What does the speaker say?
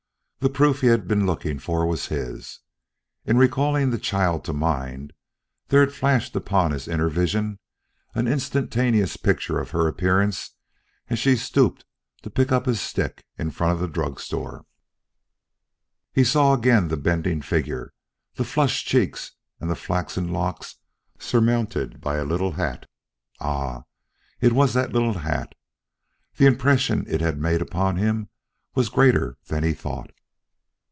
The proof he had been looking for was his. In recalling the child to mind there had flashed upon his inner vision an instantaneous picture of her appearance as she stooped to pick up his stick in front of the drug store. He saw again the bending figure, the flushed cheeks and the flaxen locks surmounted by a little hat. Ah! it was that little hat! The impression it had made upon him was greater than he thought.